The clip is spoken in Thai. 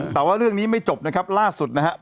แต่ว่าเรื่องนี้ไม่จบนะครับล่าสุดนะครับ